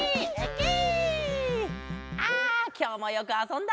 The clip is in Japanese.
あきょうもよくあそんだ。